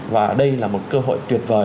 và đây là một cơ hội tuyệt vời